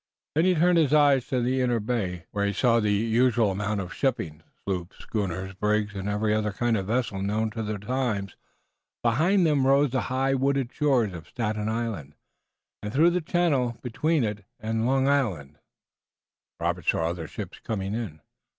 Then he turned his eyes to the inner bay, where he saw the usual amount of shipping, sloops, schooners, brigs and every other kind of vessel known to the times. Behind them rose the high wooded shores of Staten Island, and through the channel between it and Long Island Robert saw other ships coming in.